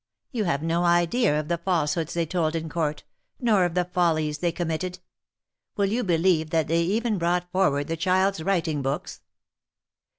You have no idea of the falsehoods they told in court, nor of the follies they committed. Will you believe that they even brought forward the child's writing books?"